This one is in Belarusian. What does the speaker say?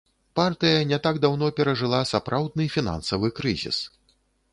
Партыя не так даўно перажыла сапраўдны фінансавы крызіс.